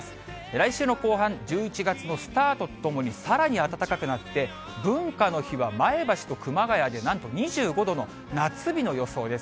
来週の後半、１１月のスタートとともにさらに暖かくなって、文化の日は前橋と熊谷でなんと２５度の夏日の予想です。